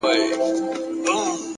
را ژوندی سوی يم ـ اساس يمه احساس يمه ـ